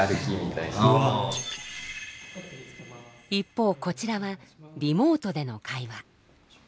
一方こちらはリモートでの会話。